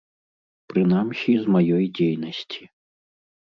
Прынамсі з маёй дзейнасці.